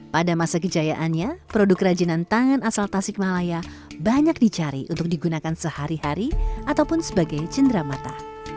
pada masa kejayaannya produk kerajinan tangan asal tasikmalaya banyak dicari untuk digunakan sehari hari ataupun sebagai cendera mata